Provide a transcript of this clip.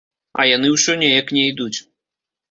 А яны ўсё неяк не ідуць.